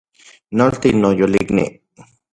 Nolti, noyolikni